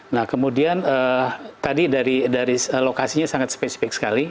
nah kemudian tadi dari lokasinya sangat spesifik sekali